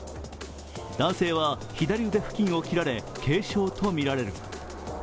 男性は左腕付近を切られ軽傷とみられる。